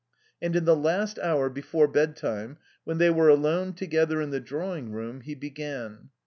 And in the last hour before bed time, when they were alone together in the drawing room, he began.